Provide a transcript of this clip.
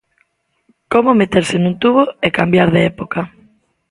Como meterse nun tubo e cambiar de época.